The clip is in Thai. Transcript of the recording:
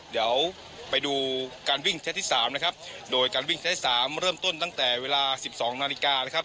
เดี๋ยวไปดูการวิ่งเซตที่๓นะครับโดยการวิ่งเซตสามเริ่มต้นตั้งแต่เวลาสิบสองนาฬิกานะครับ